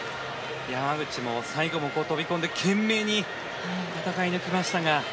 山口も、最後も飛び込んで懸命に戦い抜きましたが。